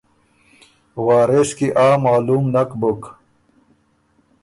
وارث کی آ معلوم نک بُک